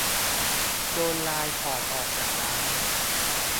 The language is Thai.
โดนไลน์ถอดออกจากร้าน